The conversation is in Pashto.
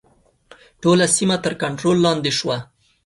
ټوله سیمه تر کنټرول لاندې شوه.